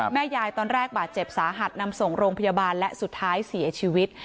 แม่ยายตอนแรกบาดเจ็บสาหัสนำส่งโรงพยาบาลและสุดท้ายเสียชีวิต